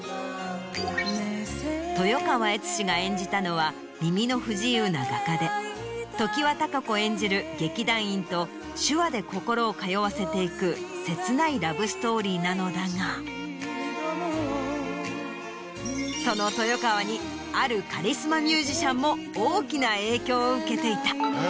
豊川悦司が演じたのは耳の不自由な画家で常盤貴子演じる劇団員と手話で心を通わせていく切ないラブストーリーなのだがその豊川にあるカリスマミュージシャンも大きな影響を受けていた。